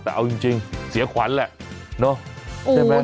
แต่เอาจริงเสียขวัญแหละเนาะใช่ไหม